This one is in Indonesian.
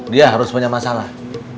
dia harus punya masalah